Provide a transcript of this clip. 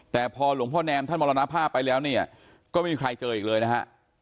แต่พอหลวงพ่อแนมท่านมรณภาพไปแล้วเนี่ยก็ไม่มีใครเจออีกเลยนะฮะ